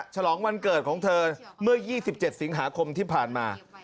ฉลองวันเกิดของเธอเมื่อ๒๗สิงหาคมที่ผ่านมา